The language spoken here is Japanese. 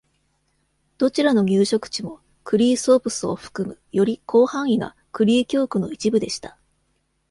どちらの入植地も、クリーソープスを含むより広範囲なクリー教区の一部でした。